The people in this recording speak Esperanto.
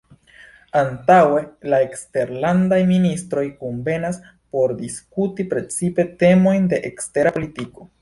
Antaŭe la eksterlandaj ministroj kunvenas por diskuti precipe temojn de ekstera politiko.